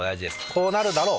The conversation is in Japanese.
こうなるだろう！